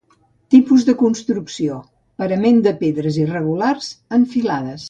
Tipus de construcció: parament de pedres irregulars en filades.